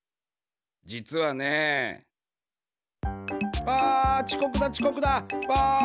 じつはね。わちこくだちこくだ！わ！